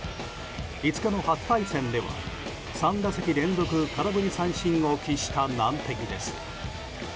５日の初対戦では３打席連続空振り三振を期した難敵です。